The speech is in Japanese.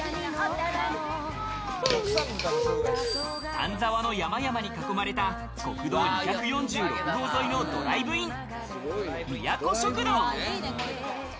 丹沢の山々に囲まれた国道２４６号沿いのドライブイン、みやこ食堂。